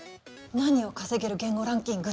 何よ稼げる言語ランキングって。